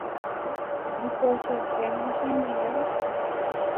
Ipochyetéma chendive.